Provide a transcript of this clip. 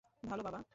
ভালো, বাবা।